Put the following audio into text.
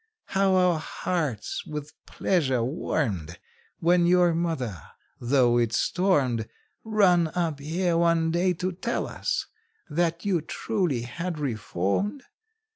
How our hearts with pleasure warmed When your mother, though it stormed. Run up here one day to tell us that you truly had reformed?